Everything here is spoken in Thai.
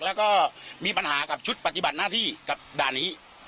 แล้วก็มีปัญหากับชุดปฏิบัติหน้าที่กับด่านนี้